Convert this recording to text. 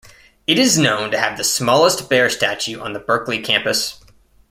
It is known to have the smallest bear statue on the Berkeley campus.